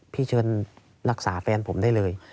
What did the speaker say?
เชิญรักษาแฟนผมได้เลย